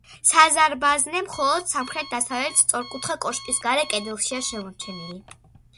საზარბაზნე მხოლოდ სამხრეთ-დასავლეთ სწორკუთხა კოშკის გარე კედელშია შემორჩენილი.